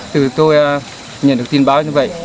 từ khi tôi nhận được tin báo như vậy